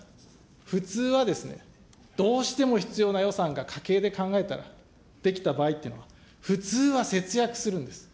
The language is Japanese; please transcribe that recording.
普通はですね、どうしても必要な予算が、家計で考えたらできた場合っていうのは、普通は節約するんです。